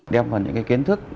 đem vào những kiến thức